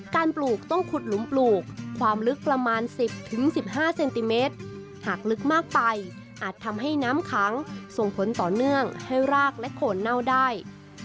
ปลูกต้องขุดหลุมปลูกความลึกประมาณ๑๐๑๕เซนติเมตรหากลึกมากไปอาจทำให้น้ำขังส่งผลต่อเนื่องให้รากและโคนเน่าได้